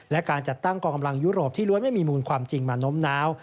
และการจัดตั้งกองกำลังยุโรปที่ล้วนไม่มีมูลความจริงมาโน้มน้าว